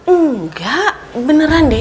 enggak beneran deh